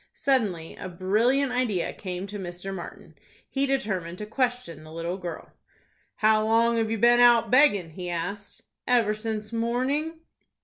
Suddenly a brilliant idea came to Mr. Martin. He determined to question the little girl. "How long have you been out beggin'?" he asked. "Ever since morning."